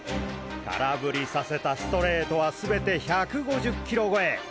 空振りさせたストレートはすべて１５０ｋｍ超え！